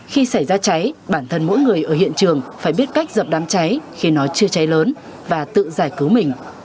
khi xảy ra cháy bản thân mỗi người ở hiện trường phải biết cách dập đám cháy khi nó chưa cháy lớn và tự giải cứu mình